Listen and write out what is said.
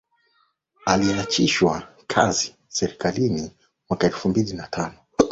aliachishwa kazi serikalini mwaka elfu mbili na tano